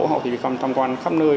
họ có thể đi thăm quan khắp nơi